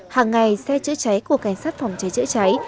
hàng ngày xe chữa cháy của cảnh sát phòng cháy chữa cháy